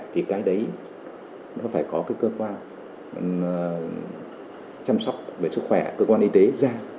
thì cái đấy nó phải có cái cơ quan chăm sóc về sức khỏe cơ quan y tế ra